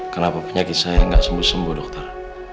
kenapa penyakit saya nggak sembuh sembuh dokter